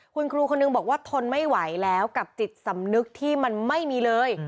คุณครูคนนึงบอกว่าทนไม่ไหวแล้วกับจิตสำนึกที่มันไม่มีเลย